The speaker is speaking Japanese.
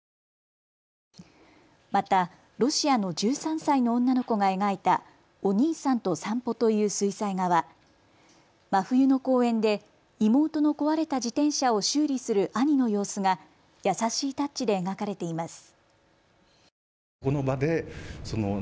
またロシアの１３歳の女の子が描いたお兄さんと散歩という水彩画は真冬の公園で妹の壊れた自転車を修理する兄の様子が優しいタッチで描かれています。